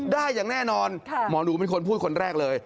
ได้อย่างแน่นอนหมอหนูเป็นคนพูดคนแรกเลย